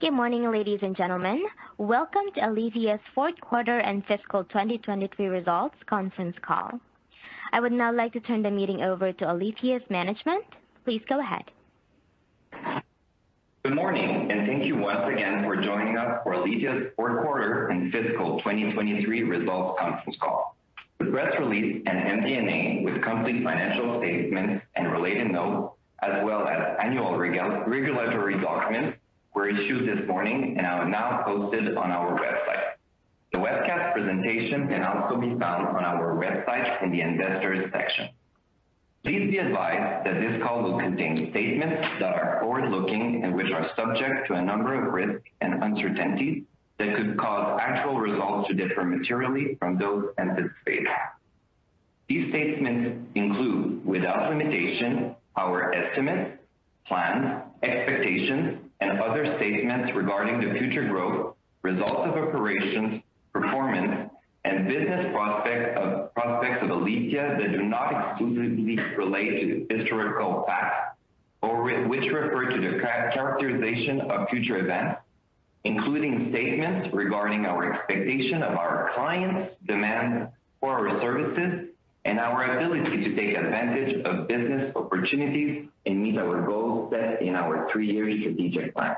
Good morning, ladies and gentlemen. Welcome to Alithya's Fourth Quarter and Fiscal 2023 Results Conference Call. I would now like to turn the meeting over to Alithya's management. Please go ahead. Good morning, and thank you once again for joining us for Alithya's Fourth Quarter and Fiscal 2023 Results Conference Call. The press release and MD&A with complete financial statements and related notes, as well as annual regulatory documents, were issued this morning and are now posted on our website. The webcast presentation can also be found on our website in the Investors section. Please be advised that this call will contain statements that are forward-looking and which are subject to a number of risks and uncertainties that could cause actual results to differ materially from those in these statements. These statements include, without limitation, our estimates, plans, expectations, and other statements regarding the future growth, results of operations, performance, and business prospects of Alithya that do not exclusively relate to historical facts, or which refer to the characterization of future events, including statements regarding our expectation of our clients' demand for our services and our ability to take advantage of business opportunities and meet our goals set in our three-year strategic plan.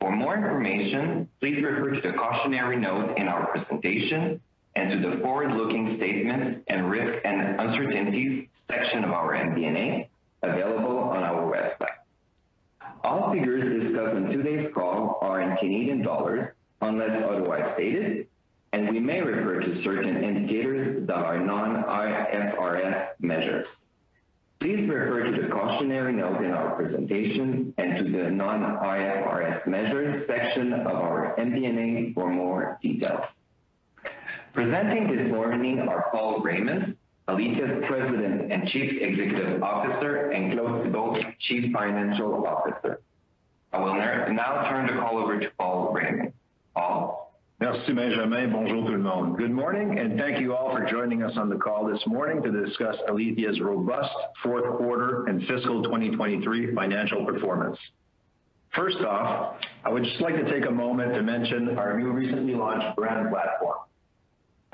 For more information, please refer to the cautionary note in our presentation and to the Forward-Looking Statements and Risk & Uncertainties section of our MD&A, available on our website. All figures discussed in today's call are in CAD, unless otherwise stated, and we may refer to certain indicators that are Non-IFRS measures. Please refer to the cautionary note in our presentation and to the Non-IFRS Measures section of our MD&A for more details. Presenting this morning are Paul Raymond, President and Chief Executive Officer, and Claude Thibault, Chief Financial Officer. I will now turn the call over to Paul Raymond. Paul? Merci, Benjamin. Bonjour, tout le monde. Thank you all for joining us on the call this morning to discuss Alithya's robust fourth quarter and fiscal 2023 financial performance. First off, I would just like to take a moment to mention our new recently launched brand platform.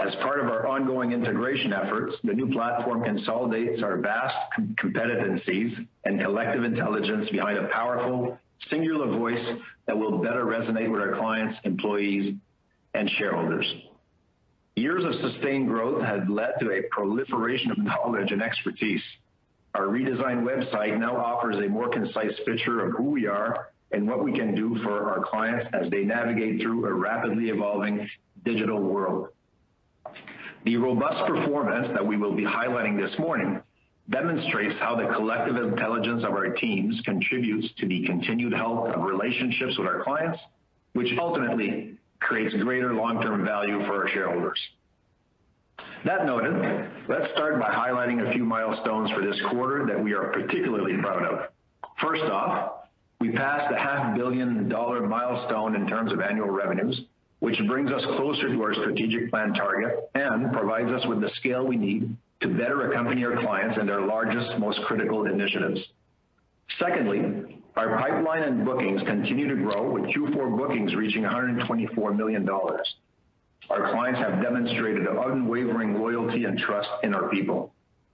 As part of our ongoing integration efforts, the new platform consolidates our vast competencies and collective intelligence behind a powerful, singular voice that will better resonate with our clients, employees, and shareholders. Years of sustained growth have led to a proliferation of knowledge and expertise. Our redesigned website now offers a more concise picture of who we are and what we can do for our clients as they navigate through a rapidly evolving digital world. The robust performance that we will be highlighting this morning demonstrates how the collective intelligence of our teams contributes to the continued health of relationships with our clients, which ultimately creates greater long-term value for our shareholders. That noted, let's start by highlighting a few milestones for this quarter that we are particularly proud of. First off, we passed the half billion CAD milestone in terms of annual revenues, which brings us closer to our strategic plan target and provides us with the scale we need to better accompany our clients and their largest, most critical initiatives. Secondly, our pipeline and bookings continue to grow, with Q4 bookings reaching 124 million dollars. Our clients have demonstrated unwavering loyalty and trust in our people.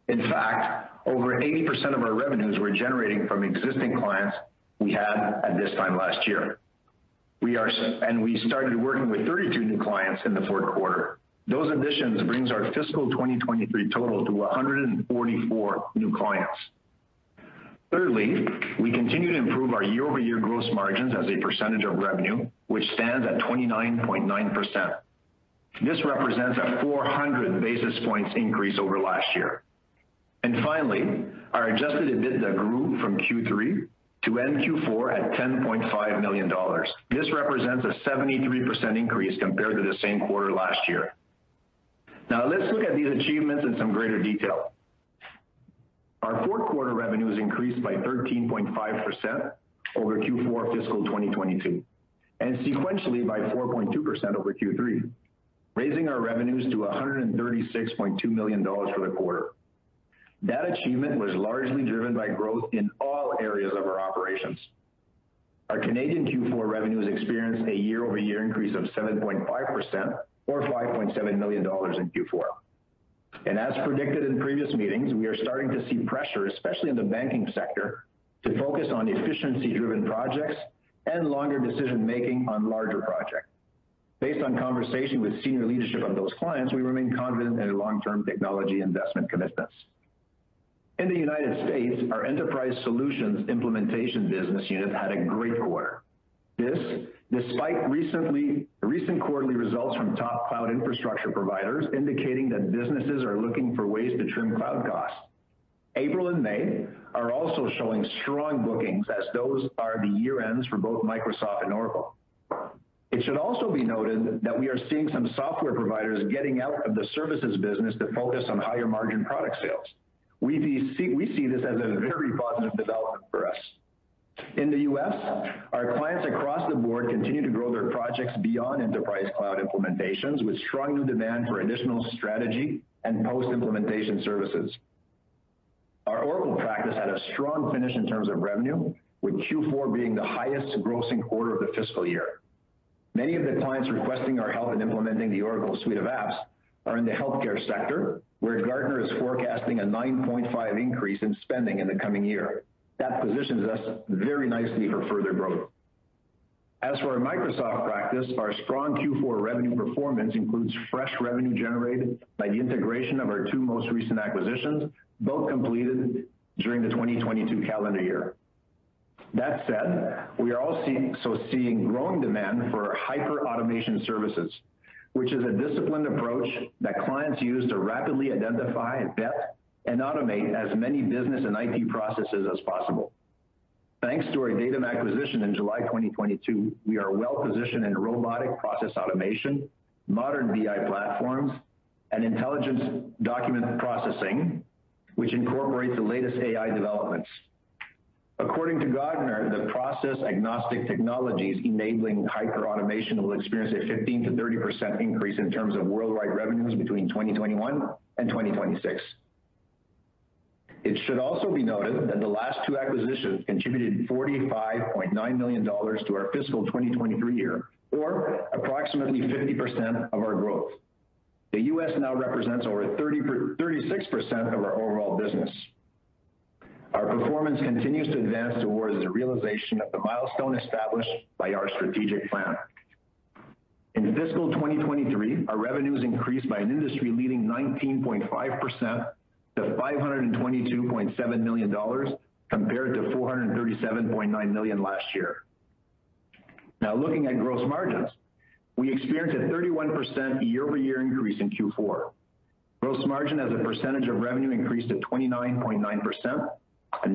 In fact, over 80% of our revenues we're generating from existing clients we had at this time last year. We started working with 32 new clients in the fourth quarter. Those additions brings our fiscal 2023 total to 144 new clients. Thirdly, we continue to improve our year-over-year gross margins as a percentage of revenue, which stands at 29.9%. This represents a 400 basis points increase over last year. Finally, our adjusted EBITDA grew from Q3 to end Q4 at 10.5 million dollars. This represents a 73% increase compared to the same quarter last year. Let's look at these achievements in some greater detail. Our fourth quarter revenues increased by 13.5% over Q4 fiscal 2022, and sequentially by 4.2% over Q3, raising our revenues to 136.2 million dollars for the quarter. That achievement was largely driven by growth in all areas of our operations. Our Canadian Q4 revenues experienced a year-over-year increase of 7.5% or 5.7 million dollars in Q4. As predicted in previous meetings, we are starting to see pressure, especially in the banking sector, to focus on efficiency-driven projects and longer decision-making on larger projects. Based on conversation with senior leadership of those clients, we remain confident in their long-term technology investment commitments. In the United States, our enterprise solutions implementation business unit had a great quarter. This, despite recent quarterly results from top cloud infrastructure providers indicating that businesses are looking for ways to trim cloud costs. April and May are also showing strong bookings as those are the year-ends for both Microsoft and Oracle. It should also be noted that we are seeing some software providers getting out of the services business to focus on higher-margin product sales. We see this as a very positive development for us. In the U.S., our clients across the board continue to grow their projects beyond enterprise cloud implementations, with strong new demand for additional strategy and post-implementation services. Our Oracle practice had a strong finish in terms of revenue, with Q4 being the highest grossing quarter of the fiscal year. Many of the clients requesting our help in implementing the Oracle suite of apps are in the healthcare sector, where Gartner is forecasting a 9.5% increase in spending in the coming year. That positions us very nicely for further growth. As for our Microsoft practice, our strong Q4 revenue performance includes fresh revenue generated by the integration of our two most recent acquisitions, both completed during the 2022 calendar year. That said, we are also seeing growing demand for hyperautomation services, which is a disciplined approach that clients use to rapidly identify, vet, and automate as many business and IT processes as possible. Thanks to our Datum acquisition in July 2022, we are well-positioned in Robotic Process Automation, modern BI platforms, and intelligent document processing, which incorporates the latest AI developments. According to Gartner, the process-agnostic technologies enabling hyperautomation will experience a 15%-30% increase in terms of worldwide revenues between 2021 and 2026. It should also be noted that the last two acquisitions contributed 45.9 million dollars to our fiscal 2023 year, or approximately 50% of our growth. The U.S. now represents over 36% of our overall business. Our performance continues to advance towards the realization of the milestone established by our strategic plan. In fiscal 2023, our revenues increased by an industry-leading 19.5% to 522.7 million dollars, compared to 437.9 million last year. Looking at gross margins, we experienced a 31% year-over-year increase in Q4. Gross margin as a percentage of revenue increased to 29.9%.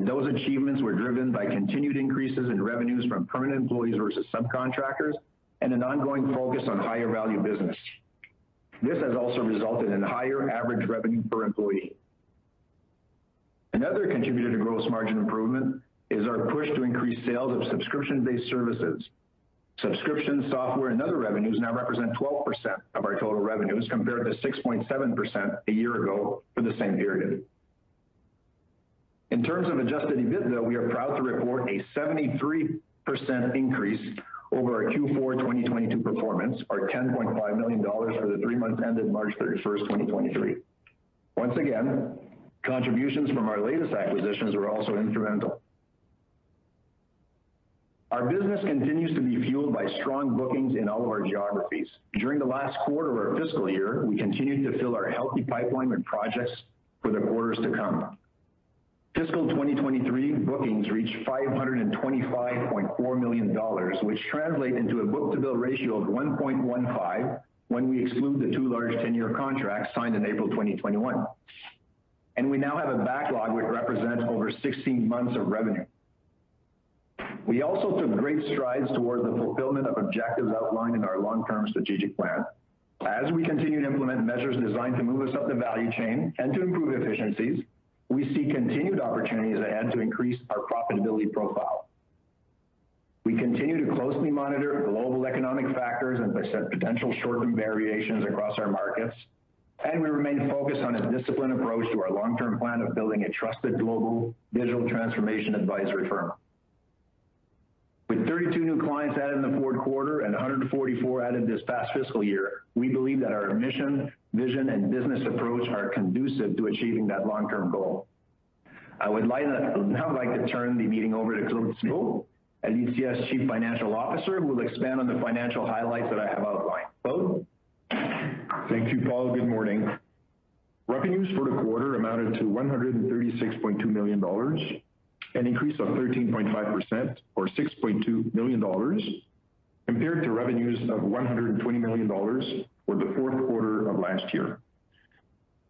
Those achievements were driven by continued increases in revenues from permanent employees versus subcontractors and an ongoing focus on higher value business. This has also resulted in higher average revenue per employee. Another contributor to gross margin improvement is our push to increase sales of subscription-based services. Subscription, software, and other revenues now represent 12% of our total revenues, compared to 6.7% a year ago for the same period. In terms of adjusted EBITDA, we are proud to report a 73% increase over our Q4 2022 performance, or CAD 10.5 million for the three months ended March 31st, 2023. Once again, contributions from our latest acquisitions were also incremental. Our business continues to be fueled by strong bookings in all of our geographies. During the last quarter of our fiscal year, we continued to fill our healthy pipeline with projects for the quarters to come. Fiscal 2023 bookings reached $525.4 million, which translate into a book-to-bill ratio of 1.15x when we exclude the two large 10-year contracts signed in April 2021, and we now have a backlog which represents over 16 months of revenue. We also took great strides towards the fulfillment of objectives outlined in our long-term strategic plan. As we continue to implement measures designed to move us up the value chain and to improve efficiencies, we see continued opportunities ahead to increase our profitability profile. We continue to closely monitor global economic factors, and as I said, potential shortages variations across our markets, and we remain focused on a disciplined approach to our long-term plan of building a trusted global digital transformation advisory firm. With 32 new clients added in the fourth quarter and 144 added this past fiscal year, we believe that our mission, vision, and business approach are conducive to achieving that long-term goal. I would now like to turn the meeting over to Claude Thibault, our Alithya Chief Financial Officer, who will expand on the financial highlights that I have outlined. Claude? Thank you, Paul. Good morning. Revenues for the quarter amounted to 136.2 million dollars, an increase of 13.5% or 6.2 million dollars, compared to revenues of 120 million dollars for the fourth quarter of last year.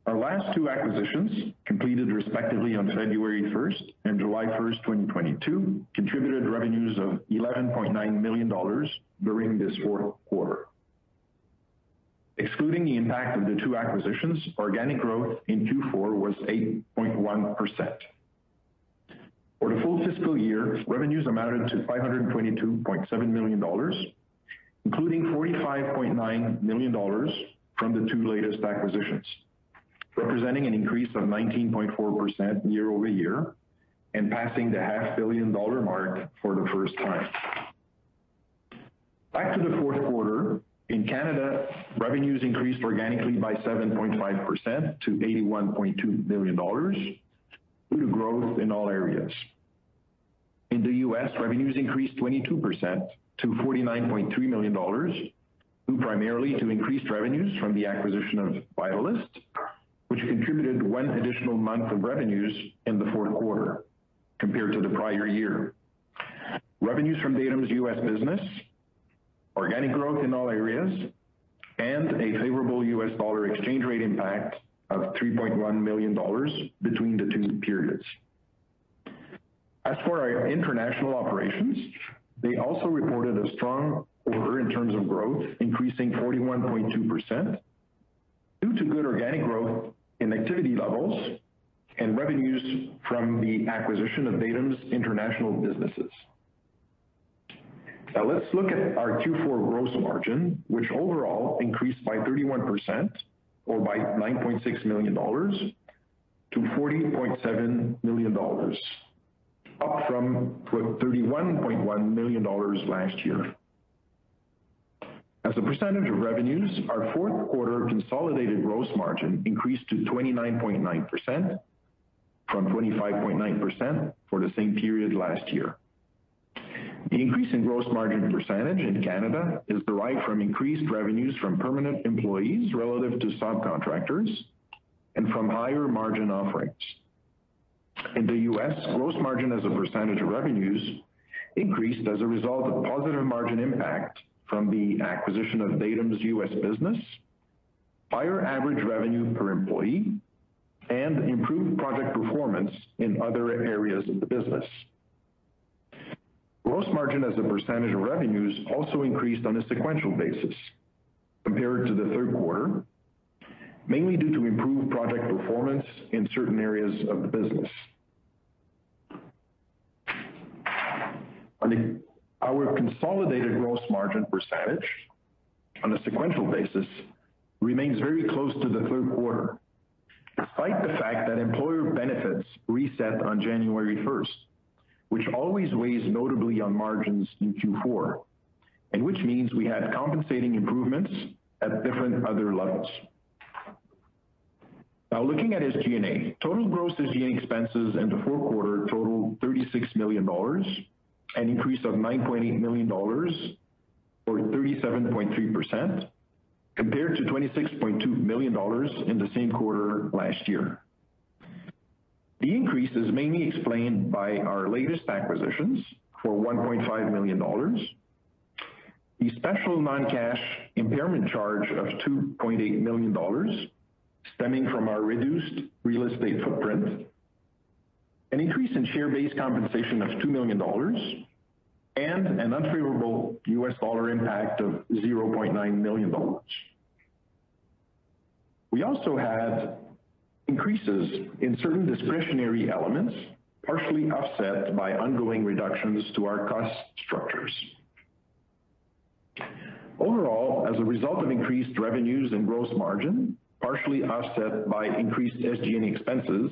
Our last two acquisitions, completed respectively on February 1st and July 1st, 2022, contributed revenues of 11.9 million dollars during this fourth quarter. Excluding the impact of the two acquisitions, organic growth in Q4 was 8.1%. For the full fiscal year, revenues amounted to 522.7 million dollars, including 45.9 million dollars from the two latest acquisitions, representing an increase of 19.4% year-over-year and passing the half billion dollar mark for the first time. Back to the fourth quarter, in Canada, revenues increased organically by 7.5% to 81.2 million dollars, due to growth in all areas. In the U.S., revenues increased 22% to 49.3 million dollars, due primarily to increased revenues from the acquisition of Vitalyst, which contributed one additional month of revenues in the fourth quarter compared to the prior year. Revenues from Datum's U.S. business, organic growth in all areas, and a favorable U.S. dollar exchange rate impact of 3.1 million dollars between the two periods. As for our international operations, they also reported a strong quarter in terms of growth, increasing 41.2%, due to good organic growth in activity levels and revenues from the acquisition of Datum's international businesses. Let's look at our Q4 gross margin, which overall increased by 31% or by 9.6 million dollars to 40.7 million dollars, up from 31.1 million dollars last year. As a percentage of revenues, our fourth quarter consolidated gross margin increased to 29.9% from 25.9% for the same period last year. The increase in gross margin percentage in Canada is derived from increased revenues from permanent employees relative to subcontractors and from higher margin offerings. In the U.S., gross margin as a percentage of revenues increased as a result of positive margin impact from the acquisition of Datum's U.S. business, higher average revenue per employee, and improved project performance in other areas of the business. Gross margin as a percentage of revenues also increased on a sequential basis compared to the third quarter, mainly due to improved project performance in certain areas of the business. Our consolidated gross margin percentage on a sequential basis remains very close to the third quarter, despite the fact that employer benefits reset on January 1st, which always weighs notably on margins in Q4, and which means we had compensating improvements at different other levels. Looking at SG&A. Total gross SG&A expenses in the fourth quarter totaled 36 million dollars, an increase of 9.8 million dollars or 37.3%, compared to 26.2 million dollars in the same quarter last year. The increase is mainly explained by our latest acquisitions for 1.5 million dollars, the special non-cash impairment charge of 2.8 million dollars stemming from our reduced real estate footprint, an increase in share-based compensation of 2 million dollars, and an unfavorable U.S. dollar impact of $0.9 million. We also had increases in certain discretionary elements, partially offset by ongoing reductions to our cost structures. Overall, as a result of increased revenues and gross margin, partially offset by increased SG&A expenses,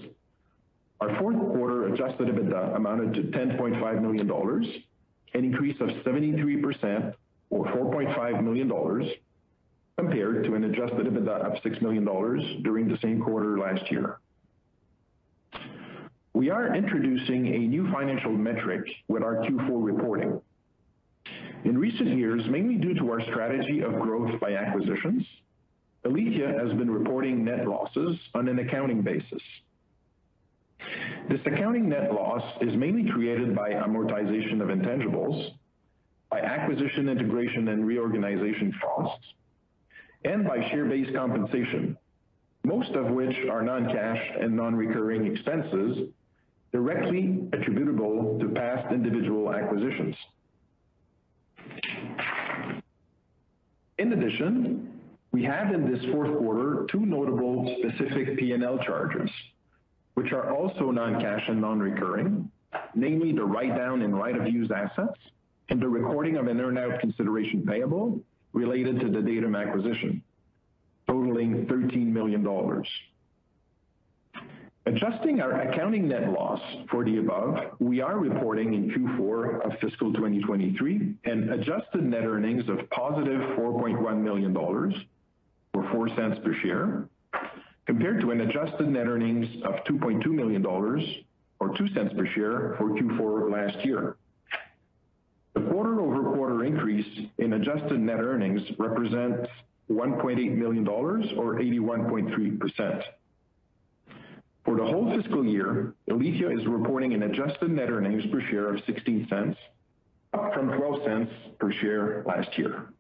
our fourth quarter adjusted EBITDA amounted to 10.5 million dollars, an increase of 73% or 4.5 million dollars, compared to an adjusted EBITDA of 6 million dollars during the same quarter last year. We are introducing a new financial metric with our Q4 reporting. In recent years, mainly due to our strategy of growth by acquisitions, Alithya has been reporting net losses on an accounting basis. This accounting net loss is mainly created by amortization of intangibles, by acquisition, integration, and reorganization costs, and by share-based compensation, most of which are non-cash and non-recurring expenses directly attributable to past individual acquisitions. In addition, we had in this fourth quarter, two notable specific P&L charges, which are also non-cash and non-recurring, namely the write-down in right-of-use assets and the recording of an earn-out consideration payable related to the Datum acquisition, totaling 13 million dollars. Adjusting our accounting net loss for the above, we are reporting in Q4 of fiscal 2023 an adjusted net earnings of +4.1 million dollars, or 0.04 per share, compared to an adjusted net earnings of 2.2 million dollars or 0.02 per share for Q4 last year. The quarter-over-quarter increase in adjusted net earnings represents 1.8 million dollars or 81.3%. For the whole fiscal year, Alithya is reporting an adjusted net earnings per share of 0.16, up from 0.12 per share last year.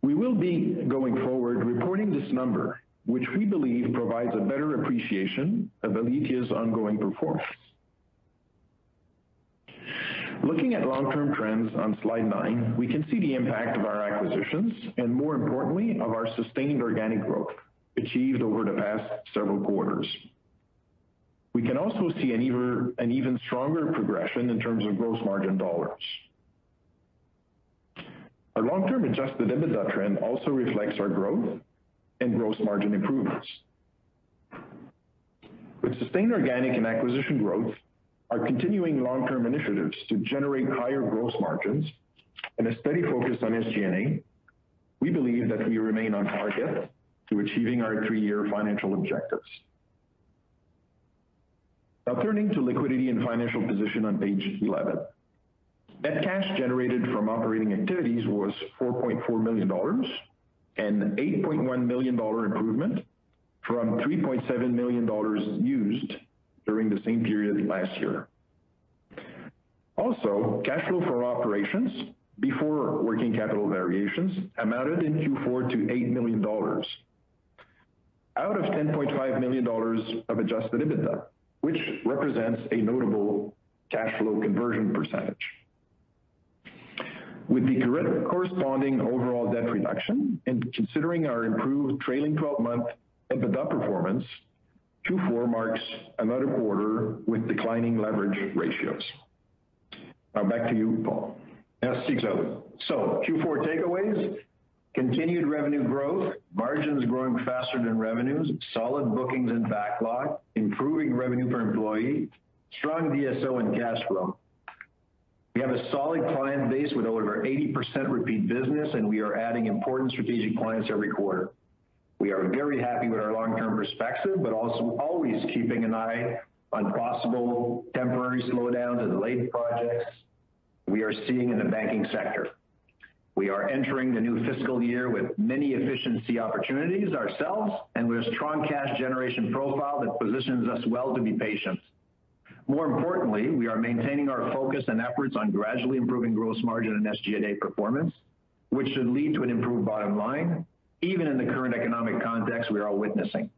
We will be, going forward, reporting this number, which we believe provides a better appreciation of Alithya's ongoing performance. Looking at long-term trends on slide 9, we can see the impact of our acquisitions and more importantly, of our sustained organic growth achieved over the past several quarters. We can also see an even stronger progression in terms of gross margin dollars. Our long-term adjusted EBITDA trend also reflects our growth and gross margin improvements. With sustained organic and acquisition growth, our continuing long-term initiatives to generate higher gross margins and a steady focus on SG&A, we believe that we remain on target to achieving our three-year financial objectives. Now, turning to liquidity and financial position on page 11. Net cash generated from operating activities was 4.4 million dollars, a 8.1 million dollar improvement from 3.7 million dollars used during the same period last year. Also cash flow for operations before working capital variations amounted in Q4 to 8 million dollars. Out of 10.5 million dollars of adjusted EBITDA, which represents a notable cash flow conversion percent. With the corresponding overall debt reduction and considering our improved trailing 12-month EBITDA performance, Q4 marks another quarter with declining leverage ratios. Now back to you, Paul. Yeah, sticks out. Q4 takeaways: continued revenue growth, margins growing faster than revenues, solid bookings and backlog, improving revenue per employee, strong DSO and cash flow. We have a solid client base with over 80% repeat business, and we are adding important strategic clients every quarter. We are very happy with our long-term perspective, but also always keeping an eye on possible temporary slowdowns and late projects we are seeing in the banking sector. We are entering the new fiscal year with many efficiency opportunities ourselves and with a strong cash generation profile that positions us well to be patient. More importantly, we are maintaining our focus and efforts on gradually improving gross margin and SG&A performance, which should lead to an improved bottom line, even in the current economic context we are all witnessing.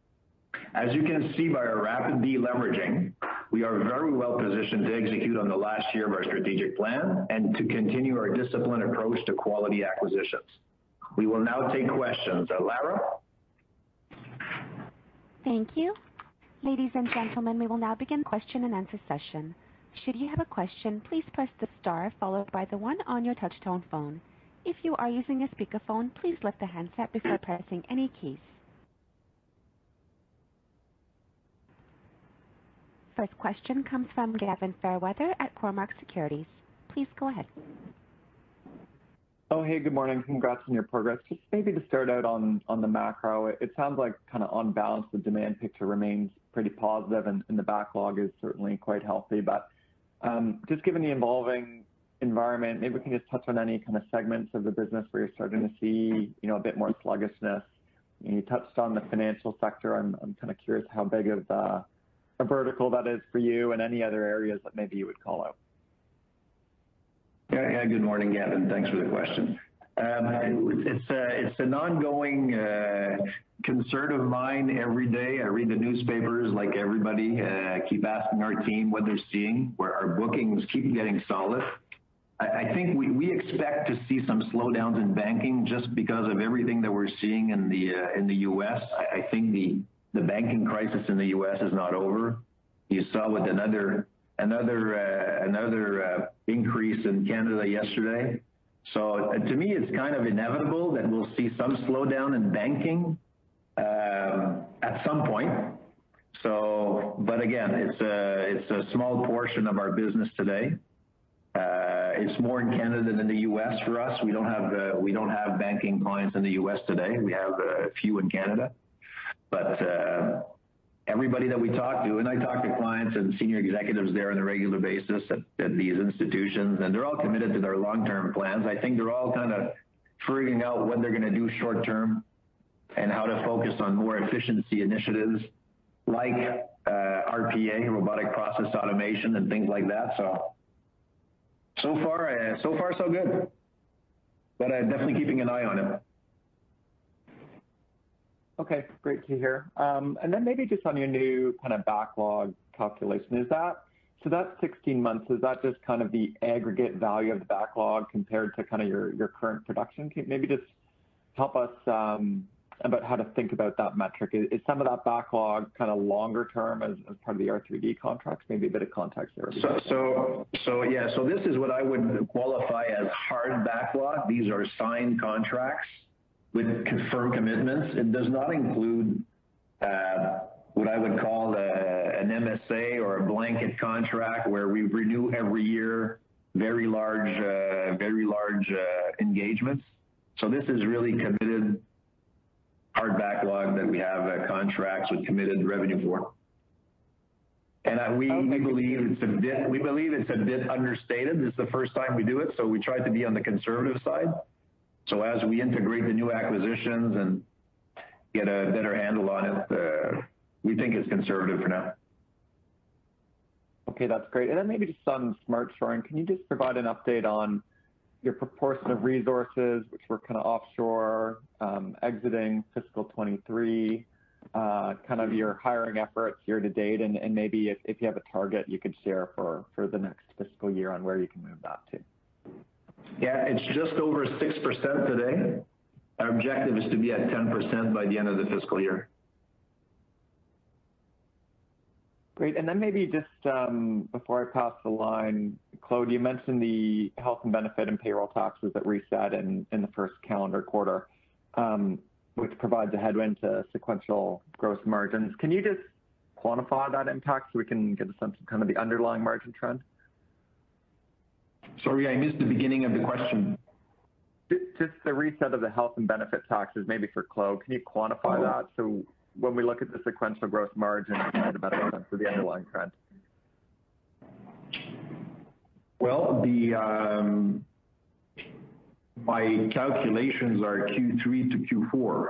As you can see by our rapid deleveraging, we are very well positioned to execute on the last year of our strategic plan and to continue our disciplined approach to quality acquisitions. We will now take questions. Lara? Thank you. Ladies and gentlemen, we will now begin the question-and-answer session. Should you have a question, please press the star followed by the one on your touchtone phone. If you are using a speakerphone, please lift the handset before pressing any keys. First question comes from Gavin Fairweather at Cormark Securities. Please go ahead. Oh, hey, good morning. Congrats on your progress. Just maybe to start out on the macro, it sounds like kind of on balance, the demand picture remains pretty positive and the backlog is certainly quite healthy. Just given the evolving environment, maybe we can just touch on any kind of segments of the business where you're starting to see, you know, a bit more sluggishness. You touched on the financial sector. I'm kind of curious how big of a vertical that is for you and any other areas that maybe you would call out. Yeah, good morning, Gavin. Thanks for the question. It's an ongoing concern of mine every day. I read the newspapers like everybody, keep asking our team what they're seeing, where our bookings keep getting solid. I think we expect to see some slowdowns in banking just because of everything that we're seeing in the U.S. I think the banking crisis in the U.S. is not over. You saw with another increase in Canada yesterday. To me, it's kind of inevitable that we'll see some slowdown in banking at some point. Again, it's a small portion of our business today. It's more in Canada than the U.S. for us. We don't have banking clients in the U.S. today. We have a few in Canada. But everybody that we talk to, and I talk to clients and senior executives there on a regular basis at these institutions, and they're all committed to their long-term plans. I think they're all kinda figuring out what they're gonna do short term and how to focus on more efficiency initiatives like RPA, Robotic Process Automation, and things like that. So far, so good, but definitely keeping an eye on it. Okay, great to hear. Maybe just on your new kinda backlog calculation, so that's 16 months. Is that just kind of the aggregate value of the backlog compared to kinda your current production? Can you maybe just help us about how to think about that metric? Is some of that backlog kinda longer term as part of the R3D contracts? Maybe a bit of context there. Yeah. This is what I would qualify as hard backlog. These are signed contracts with confirmed commitments. It does not include what I would call an MSA or a blanket contract, where we renew every year, very large engagements. This is really committed hard backlog that we have contracts with committed revenue for. We believe it's a bit understated. This is the first time we do it, so we tried to be on the conservative side. As we integrate the new acquisitions and get a better handle on it, we think it's conservative for now. Okay, that's great. Maybe just on smart shoring, can you just provide an update on your proportion of resources which were kind of offshore, exiting fiscal 2023, kind of your hiring efforts year-to-date, and maybe if you have a target you could share for the next fiscal year on where you can move that to? Yeah, it's just over 6% today. Our objective is to be at 10% by the end of the fiscal year. Great. Maybe just, before I pass the line, Claude, you mentioned the health and benefit and payroll taxes that reset in the first calendar quarter, which provides a headwind to sequential gross margins. Can you just quantify that impact so we can get a sense of kind of the underlying margin trend? Sorry, I missed the beginning of the question. Just the reset of the health and benefit taxes, maybe for Claude. Can you quantify that? When we look at the sequential gross margin, the underlying trend. My calculations are Q3 to Q4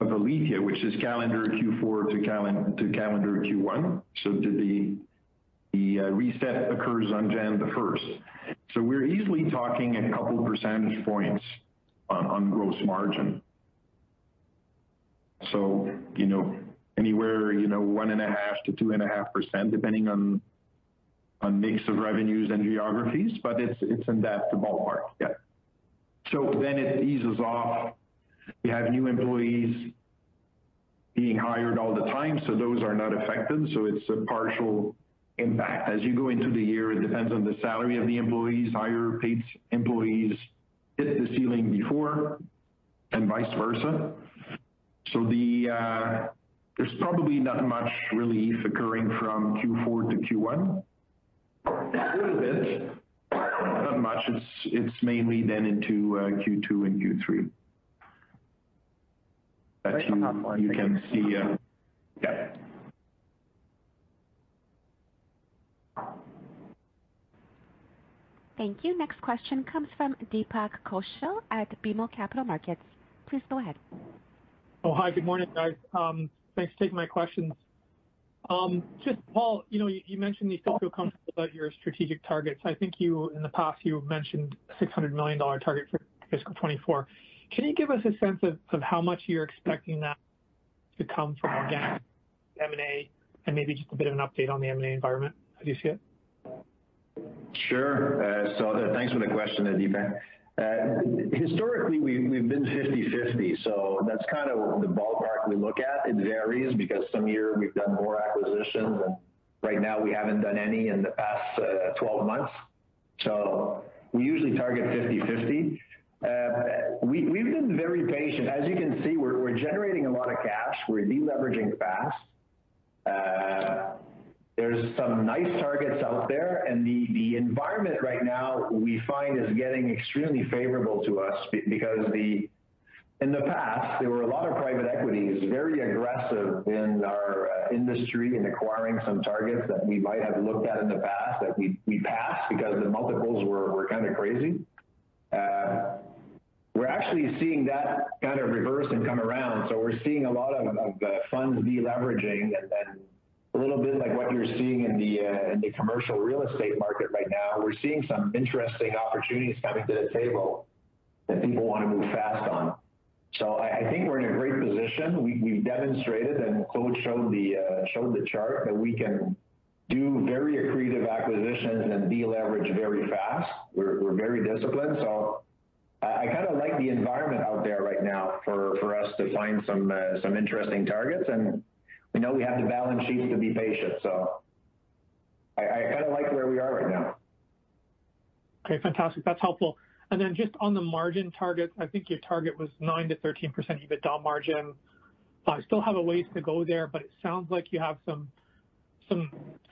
of Alithya, which is calendar Q4 to calendar Q1, the reset occurs on January 1st. We're easily talking a couple percentage points on gross margin, you know, anywhere, you know, 1.5%-2.5%, depending on mix of revenues and geographies, but it's in that ballpark. Yeah. It eases off. We have new employees being hired all the time, those are not affected, it's a partial impact. As you go into the year, it depends on the salary of the employees. Higher-paid employees hit the ceiling before, and vice versa. There's probably not much relief occurring from Q4 to Q1. A little bit, not much. It's mainly into Q2 and Q3. You can see. Yeah. Thank you. Next question comes from Deepak Kaushal at BMO Capital Markets. Please go ahead. Hi, good morning, guys. Thanks for taking my questions. Just, Paul, you know, you mentioned you still feel comfortable about your strategic targets. I think you, in the past, you have mentioned 600 million dollar target for fiscal 2024. Can you give us a sense of how much you're expecting that to come from organic M&A, and maybe just a bit of an update on the M&A environment as you see it? Sure. Thanks for the question, Deepak. Historically, we've been 50/50, so that's kind of the ballpark we look at. It varies because some year we've done more acquisitions, and right now, we haven't done any in the past, 12 months. We usually target 50/50. We, we've been very patient. As you can see, we're generating a lot of cash. We're deleveraging fast. There's some nice targets out there, and the environment right now, we find, is getting extremely favorable to us because the... In the past, there were a lot of private equities, very aggressive in our industry in acquiring some targets that we might have looked at in the past, that we passed because the multiples were kinda crazy. We're actually seeing that kind of reverse and come around. We're seeing a lot of funds deleveraging, and then a little bit like what you're seeing in the commercial real estate market right now. We're seeing some interesting opportunities coming to the table that people wanna move fast on. I think we're in a great position. We've demonstrated, and Claude showed the chart, that we can do very accretive acquisitions and deleverage very fast. We're very disciplined, so I kinda like the environment out there right now for us to find some interesting targets. We know we have the balance sheet to be patient, so I kinda like where we are right now. Okay, fantastic. That's helpful. Then just on the margin targets, I think your target was 9%-13% EBITDA margin. You still have a ways to go there, but it sounds like you have some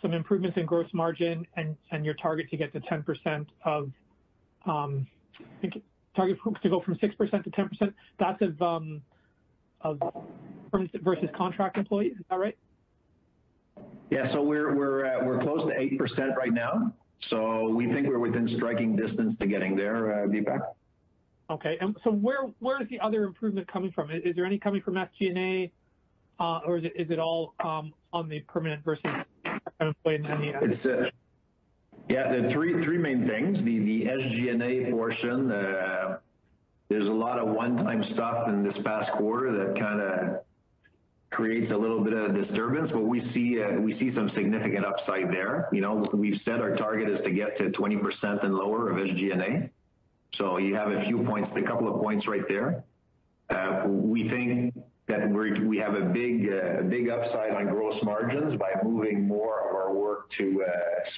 improvements in gross margin and your target to get to 10% of, I think target to go from 6%-10%. That's of versus contract employee. Is that right? Yeah. We're close to 8% right now, so we think we're within striking distance to getting there, Deepak. Okay. Where is the other improvement coming from? Is there any coming from SG&A, or is it all on the permanent versus employee? It's Yeah, the three main things, the SG&A portion, there's a lot of one-time stuff in this past quarter that kinda creates a little bit of disturbance, but we see some significant upside there. You know, we've said our target is to get to 20% and lower of SG&A, so you have a few points, a couple of points right there. We think that we have a big, a big upside on gross margins by moving more of our work to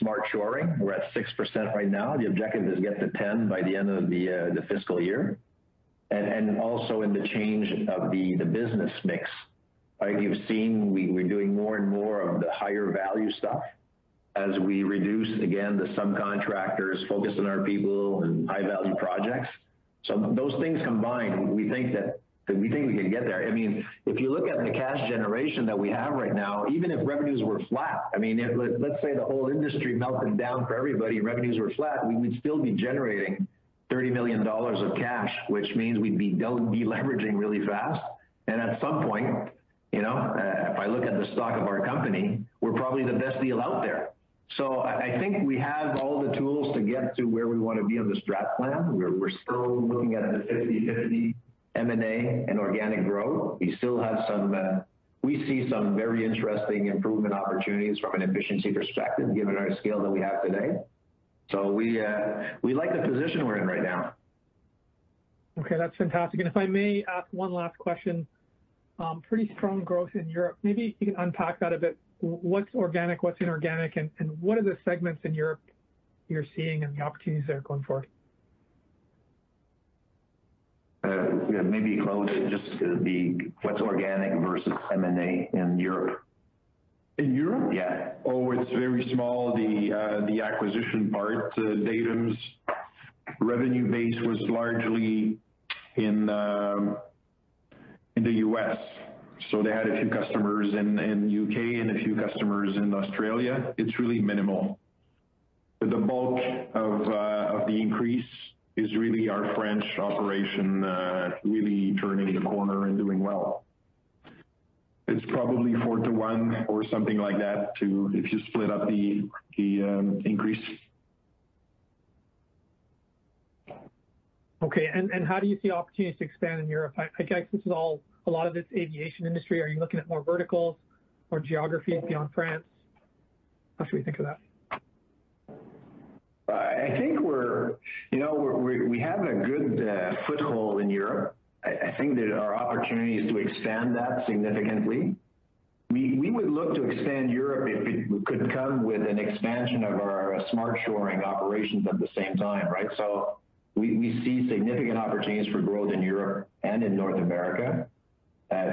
smart shoring. We're at 6% right now. The objective is get to 10% by the end of the fiscal year. Also in the change of the business mix. Like you've seen, we're doing more and more of the higher value stuff as we reduce, again, the subcontractors, focus on our people and high-value projects. Those things combined, we think that, we think we can get there. I mean, if you look at the cash generation that we have right now, even if revenues were flat, I mean, if let's say the whole industry melted down for everybody, revenues were flat, we would still be generating 30 million dollars of cash, which means we'd be deleveraging really fast. At some point, you know, if I look at the stock of our company, we're probably the best deal out there. I think we have all the tools to get to where we want to be on the strat plan. We're, we're still looking at a 50/50 M&A and organic growth. We still have some, we see some very interesting improvement opportunities from an efficiency perspective, given our scale that we have today. We, we like the position we're in right now. Okay, that's fantastic. If I may ask one last question, pretty strong growth in Europe. Maybe you can unpack that a bit. What's organic, what's inorganic, and what are the segments in Europe you're seeing and the opportunities there going forward? Yeah, maybe, Claude, just, the what's organic versus M&A in Europe? In Europe? Yeah. Oh, it's very small, the acquisition part. Datum's revenue base was largely in the U.S., so they had a few customers in the U.K. and a few customers in Australia. It's really minimal. The bulk of the increase is really our French operation, really turning the corner and doing well. It's probably four to one or something like that, if you split up the increase. Okay, how do you see opportunities to expand in Europe? I guess this is all, a lot of it's aviation industry. Are you looking at more verticals or geographies beyond France? How should we think of that? I think we, you know, we have a good foothold in Europe. I think that our opportunity is to expand that significantly. We would look to expand Europe if it could come with an expansion of our smart shoring operations at the same time, right? We see significant opportunities for growth in Europe and in North America.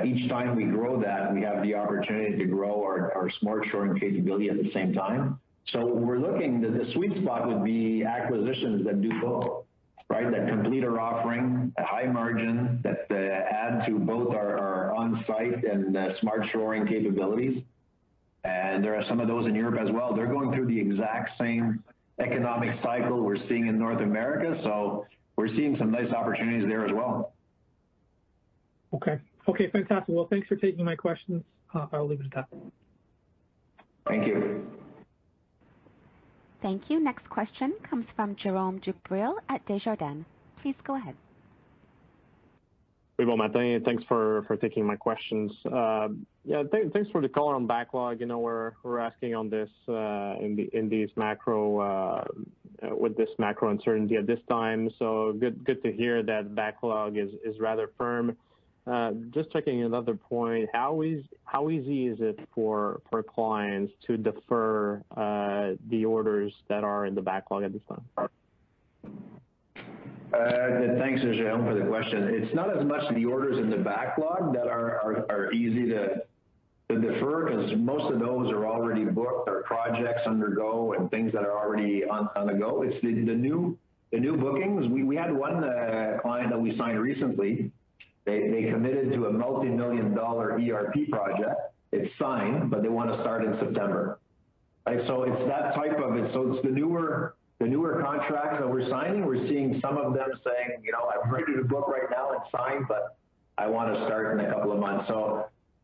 Each time we grow that, we have the opportunity to grow our smart shoring capability at the same time. We're looking. The sweet spot would be acquisitions that do both, right? That complete our offering at high margin, that add to both our on-site and the smart shoring capabilities. There are some of those in Europe as well. They're going through the exact same economic cycle we're seeing in North America, so we're seeing some nice opportunities there as well. Okay. Okay, fantastic. Well, thanks for taking my questions. I'll leave it at that. Thank you. Thank you. Next question comes from Jérome Dubreuil at Desjardins. Please go ahead. Hello, [Matte], thanks for taking my questions. Yeah, thanks for the color on backlog. You know, we're asking on this in these macro with this macro uncertainty at this time, good to hear that backlog is rather firm. Just checking another point, how easy is it for clients to defer the orders that are in the backlog at this time? Thanks, Jérome, for the question. It's not as much the orders in the backlog that are easy to defer, 'cause most of those are already booked, or projects undergo and things that are already on the go. It's the new bookings. We had one client that we signed recently. They committed to a multimillion-dollar ERP project. It's signed, but they wanna start in September. Right, so it's that type of. It's the newer contracts that we're signing, we're seeing some of them saying, "You know, I'm ready to book right now and sign, but I wanna start in a couple of months."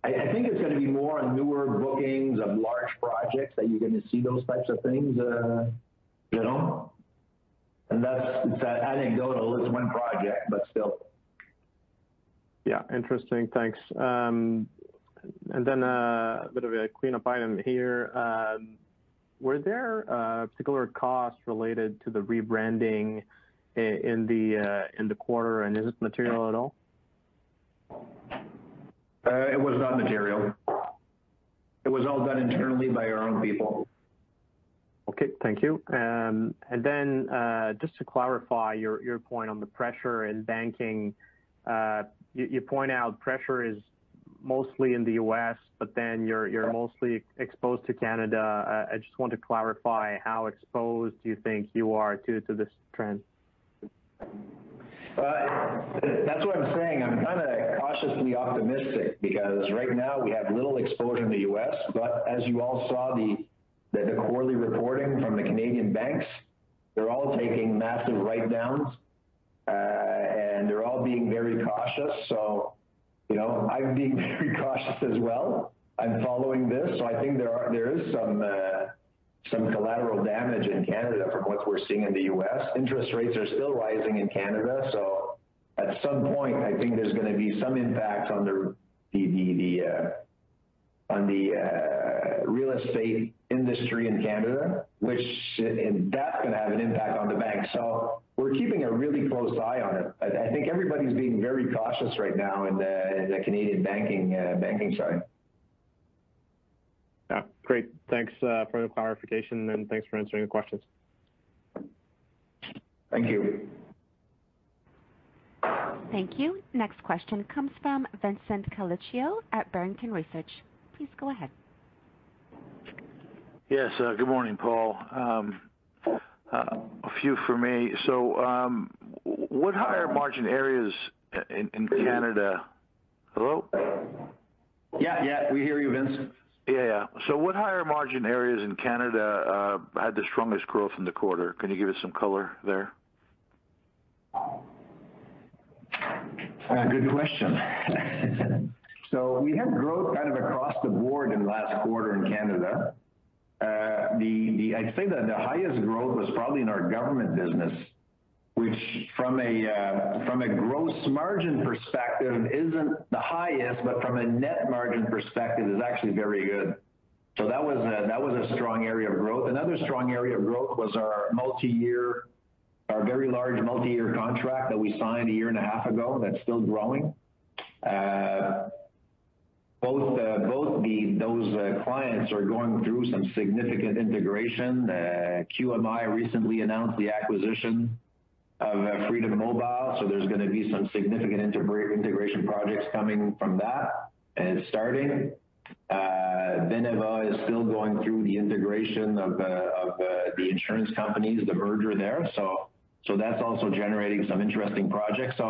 I think it's gonna be more on newer bookings of large projects that you're gonna see those types of things, you know? Unless it's a. I didn't go to list one project, but still. Yeah, interesting. Thanks. A bit of a cleanup item here. Were there particular costs related to the rebranding in the in the quarter, and is it material at all? It was not material. It was all done internally by our own people. Okay, thank you. Just to clarify your point on the pressure in banking. You point out pressure is mostly in the U.S., but then? Yes you're mostly exposed to Canada. I just want to clarify, how exposed do you think you are to this trend? That's what I'm saying. I'm kinda cautiously optimistic because right now we have little exposure in the U.S., but as you all saw, the quarterly reporting from the Canadian banks, they're all taking massive write-downs, and they're all being very cautious. You know, I'm being very cautious as well. I'm following this, so I think there is some collateral damage in Canada from what we're seeing in the U.S. Interest rates are still rising in Canada, so at some point, I think there's gonna be some impact on the real estate industry in Canada, which, and that's gonna have an impact on the banks. We're keeping a really close eye on it. I think everybody's being very cautious right now in the Canadian banking side. Yeah. Great. Thanks for the clarification, and thanks for answering the questions. Thank you. Thank you. Next question comes from Vincent Colicchio at Barrington Research. Please go ahead. Yes, good morning, Paul. A few for me. What higher margin areas in Canada? Hello? Yeah, yeah, we hear you, Vincent. Yeah, yeah. What higher margin areas in Canada had the strongest growth in the quarter? Can you give us some color there? Good question. We had growth kind of across the board in the last quarter in Canada. I'd say that the highest growth was probably in our government business, which from a gross margin perspective, isn't the highest, but from a net margin perspective, is actually very good. That was a strong area of growth. Another strong area of growth was our very large multi-year contract that we signed a year and a half ago, that's still growing. Both those clients are going through some significant integration. QMI recently announced the acquisition of Freedom Mobile, there's gonna be some significant integration projects coming from that and starting. Beneva is still going through the integration of the insurance companies, the merger there. That's also generating some interesting projects.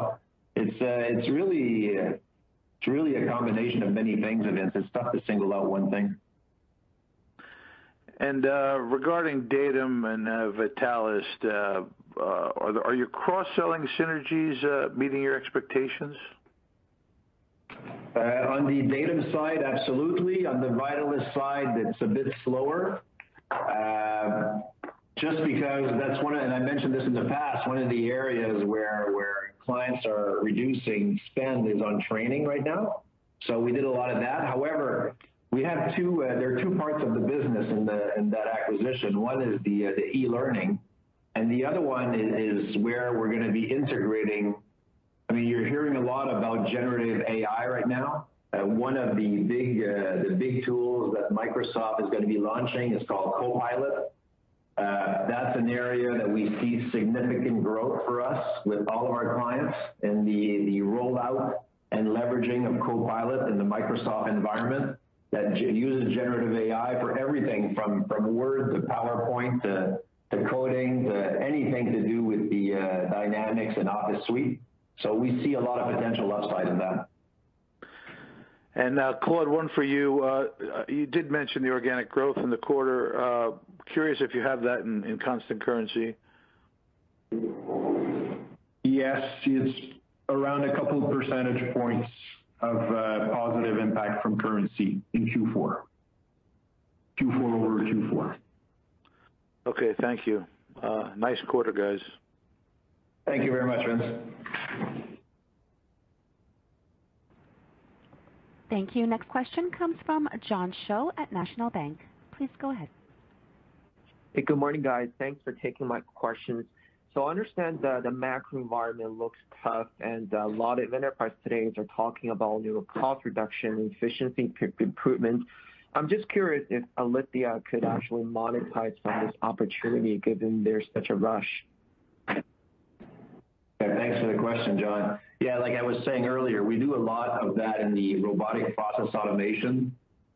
It's really a combination of many things, and it's tough to single out one thing. Regarding Datum and Vitalyst, are your cross-selling synergies meeting your expectations? On the Datum side, absolutely. On the Vitalyst side, it's a bit slower, just because that's, and I mentioned this in the past, one of the areas where clients are reducing spend is on training right now. We did a lot of that. However, we have two, there are two parts of the business in that acquisition. One is the e-learning, and the other one is where we're gonna be integrating. I mean, you're hearing a lot about generative AI right now. One of the big tools that Microsoft is gonna be launching is called Copilot. That's an area that we see significant growth for us with all of our clients in the rollout and leveraging of Copilot in the Microsoft environment, that uses generative AI for everything from Word to PowerPoint, to coding, to anything to do with the Dynamics and Office Suite. We see a lot of potential upside in that. Now, Claude, one for you. You did mention the organic growth in the quarter. Curious if you have that in constant currency? Yes, it's around a couple percentage points of positive impact from currency in Q4. Q4-over-Q4. Okay, thank you. Nice quarter, guys. Thank you very much, Vince. Thank you. Next question comes from John Shao at National Bank. Please go ahead. Hey, good morning, guys. Thanks for taking my questions. I understand that the macro environment looks tough, and a lot of enterprise today are talking about new cost reduction and efficiency improvement. I'm just curious if Alithya could actually monetize on this opportunity, given there's such a rush? Thanks for the question, John. Like I was saying earlier, we do a lot of that in the Robotic Process Automation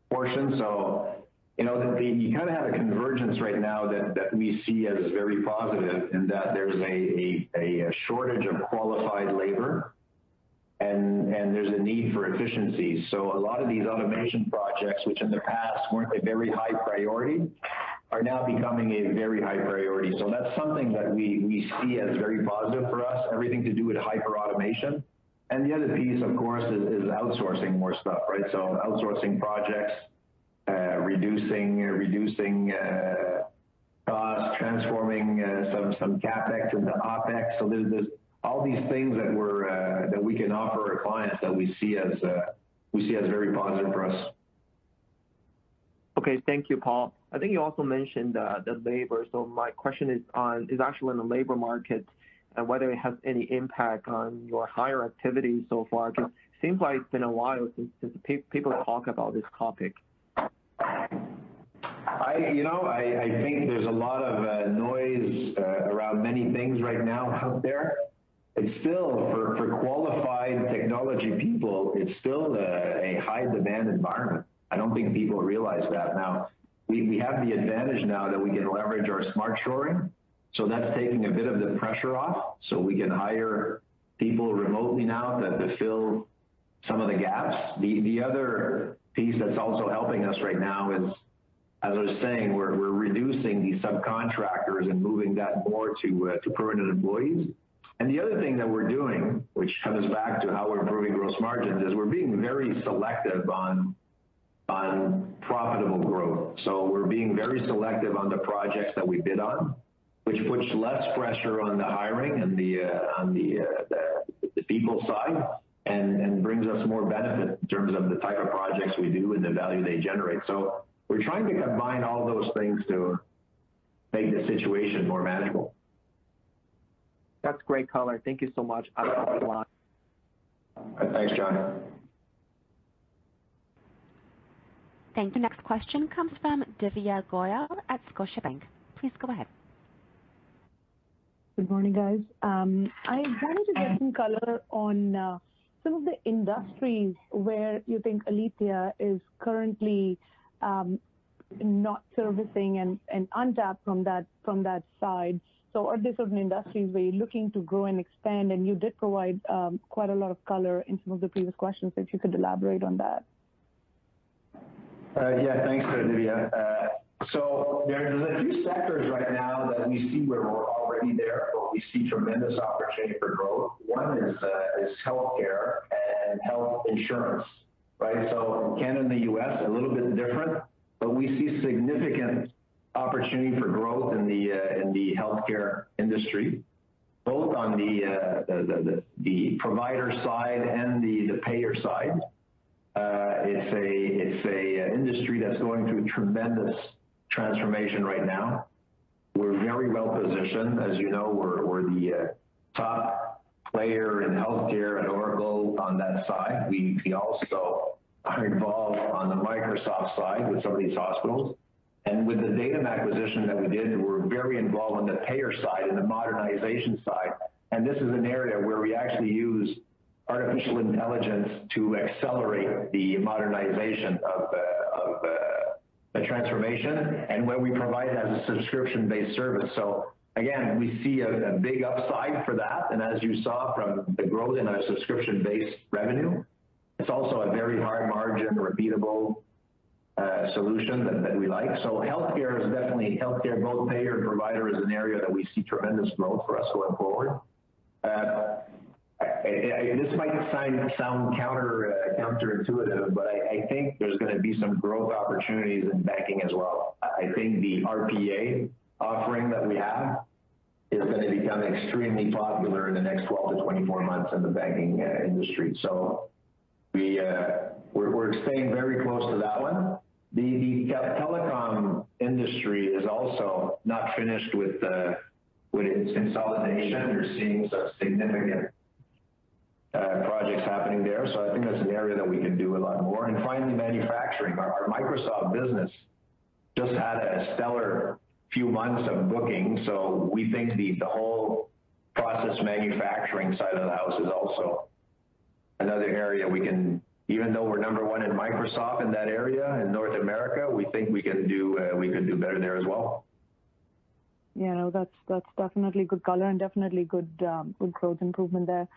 portion. You know, we kinda have a convergence right now that we see as very positive, in that there's a shortage of qualified labor, and there's a need for efficiency. A lot of these automation projects, which in the past weren't a very high priority, are now becoming a very high priority. That's something that we see as very positive for us, everything to do with hyperautomation. The other piece, of course, is outsourcing more stuff, right? Outsourcing projects, reducing costs, transforming some CapEx into OpEx. There's this all these things that we're that we can offer our clients that we see as we see as very positive for us. Thank you, Paul. I think you also mentioned the labor. My question is actually on the labor market and whether it has any impact on your hire activity so far? It seems like it's been a while since people talk about this topic. You know, I think there's a lot of noise around many things right now out there. It's still, for qualified technology people, it's still a high-demand environment. I don't think people realize that. Now, we have the advantage now that we can leverage our smart shoring, so that's taking a bit of the pressure off, so we can hire people remotely now that, to fill some of the gaps. The other piece that's also helping us right now is, as I was saying, we're reducing the subcontractors and moving that more to permanent employees. The other thing that we're doing, which comes back to how we're improving gross margins, is we're being very selective on profitable growth. We're being very selective on the projects that we bid on, which puts less pressure on the hiring and on the people side, and brings us more benefit in terms of the type of projects we do and the value they generate. We're trying to combine all those things to make the situation more manageable. That's great color. Thank you so much. I'll pass it along. Thanks, John. Thank you. Next question comes from Divya Goyal at Scotiabank. Please go ahead. Good morning, guys. I wanted to get some color on some of the industries where you think Alithya is currently not servicing and untapped from that side. Are these certain industries where you're looking to grow and expand? You did provide quite a lot of color in some of the previous questions, if you could elaborate on that. Yeah. Thanks for that, Divya. There's a few sectors right now that we see where we're already there, but we see tremendous opportunity for growth. One is Healthcare and Health Insurance, right? Canada and the U.S., a little bit different, but we see significant opportunity for growth in the healthcare industry, both on the provider side and the payer side. It's a industry that's going through a tremendous transformation right now. We're very well positioned. As you know, we're the top player in healthcare at Oracle on that side. We also are involved on the Microsoft side with some of these hospitals. With the Datum acquisition that we did, we're very involved on the payer side and the modernization side, this is an area where we actually use artificial intelligence to accelerate the modernization of the transformation, where we provide it as a subscription-based service. Again, we see a big upside for that, as you saw from the growth in our subscription-based revenue, it's also a very high margin, repeatable solution that we like. So healthcare is definitely, healthcare, both payer and provider, is an area that we see tremendous growth for us going forward. This might sound counterintuitive, I think there's gonna be some growth opportunities in banking as well. I think the RPA offering that we have is gonna become extremely popular in the next 12-24 months in the banking industry. We're staying very close to that one. The telecom industry is also not finished with its consolidation. You're seeing some significant projects happening there. I think that's an area that we can do a lot more. Finally, manufacturing. Our Microsoft business just had a stellar few months of bookings. We think the whole process manufacturing side of the house is also another area we can, even though we're number one in Microsoft in that area, in North America, we think we can do better there as well. Yeah, that's definitely good color and definitely good growth improvement there.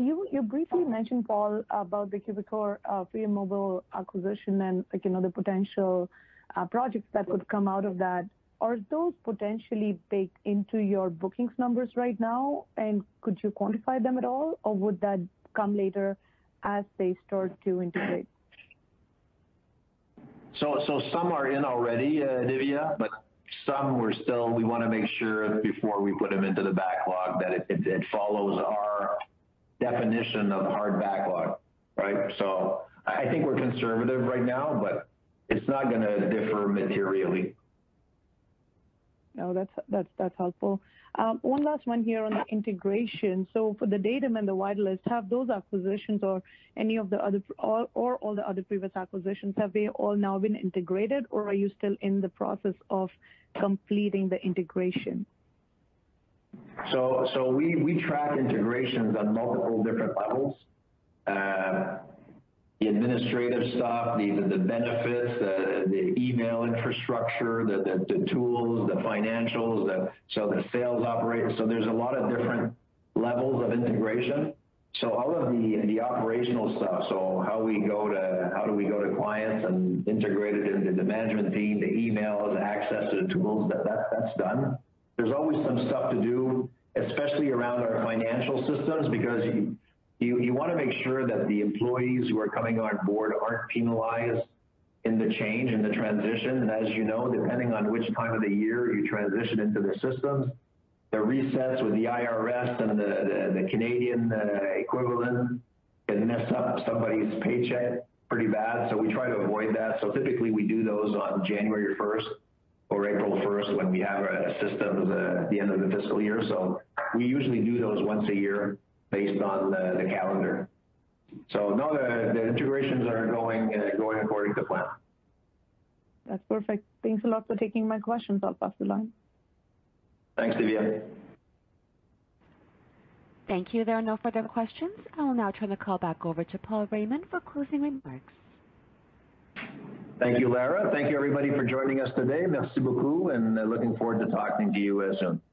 You briefly mentioned, Paul, about the Québecor Freedom Mobile acquisition and, like, you know, the potential projects that could come out of that. Are those potentially baked into your bookings numbers right now? Could you quantify them at all, or would that come later as they start to integrate? Some are in already, Divya. But some we're still. We wanna make sure before we put them into the backlog that it follows our definition of hard backlog, right? I think we're conservative right now. It's not gonna differ materially. No, that's helpful. One last one here on the integration. For the Datum and the Vitalyst, have those acquisitions or any of the other, or all the other previous acquisitions, have they all now been integrated, or are you still in the process of completing the integration? We track integrations on multiple different levels. The administrative stuff, the benefits, the email infrastructure, the tools, the financials, the sales operations. There's a lot of different levels of integration. All of the operational stuff, so how do we go to clients and integrate it into the management team, the email, the access to the tools, that's done. There's always some stuff to do, especially around our financial systems, because you wanna make sure that the employees who are coming on board aren't penalized in the change, in the transition. As you know, depending on which time of the year you transition into the systems, the resets with the IRS and the Canadian equivalent can mess up somebody's paycheck pretty bad. We try to avoid that. Typically, we do those on January 1st or April 1st when we have our systems at the end of the fiscal year. We usually do those once a year based on the calendar. No, the integrations are going according to plan. That's perfect. Thanks a lot for taking my questions, I'll pass the line. Thanks, Divya. Thank you. There are no further questions. I will now turn the call back over to Paul Raymond for closing remarks. Thank you, Lara. Thank you, everybody, for joining us today. Merci beaucoup, and looking forward to talking to you as soon.